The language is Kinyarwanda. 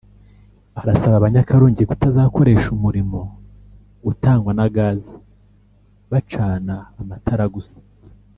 arasaba Abanya-Karongi kutazakoresha umurirmo utangwa na gaz bacana amatara gusa